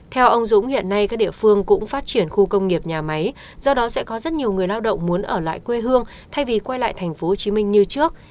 theo ông dũng hiện nay các địa phương cũng phát triển khu công nghiệp nhà máy do đó sẽ có rất nhiều người lao động muốn ở lại quê hương thay vì quay lại tp hcm như trước